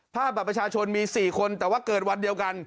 บัตรประชาชนมี๔คนแต่ว่าเกิดวันเดียวกัน